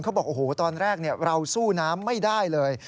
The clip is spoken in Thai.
บอกโอ้โหตอนแรกเราสู้น้ำไม่ได้เลย